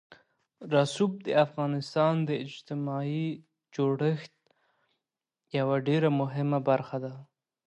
رسوب د افغانستان د اجتماعي جوړښت یوه ډېره مهمه برخه ده.